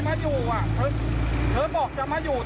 บ้าจักมาหาสักอย่างอยู่อ่ะ